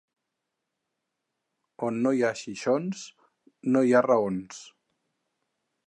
On no hi ha xinxons no hi ha raons.